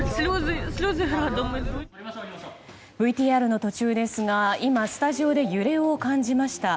ＶＴＲの途中ですが今、スタジオで揺れを感じました。